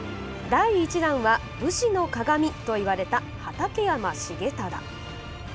第１弾は武士の鑑といわれた畠山重忠。